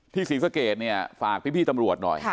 ที่ศรีสะเกียจฝากพี่ตำรวจหน่อย